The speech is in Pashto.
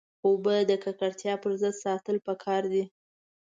اوبه د ککړتیا پر ضد ساتل پکار دي.